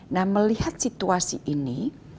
nah melihat situasi ini